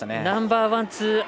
ナンバーワン、ツー